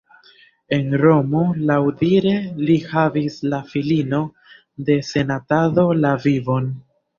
En Romo laŭdire li savis al filino de senatano la vivon.